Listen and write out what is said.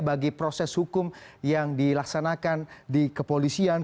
bagi proses hukum yang dilaksanakan di kepolisian